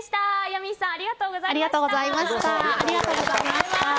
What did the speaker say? ヤミーさんありがとうございました。